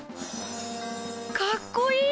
かっこいい！